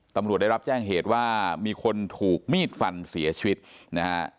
ตำรวจได้รับแจ้งเหตุว่ามีคนถูกมีดฟันเสียชีวิตนะฮะ